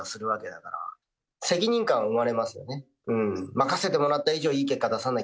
任せてもらった以上。